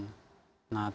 nah terima kasih